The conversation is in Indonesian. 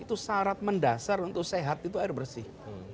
itu syarat mendasar untuk sehat itu air bersih